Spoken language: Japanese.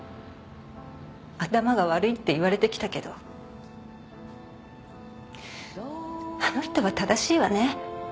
「頭が悪い」って言われてきたけどあの人は正しいわね。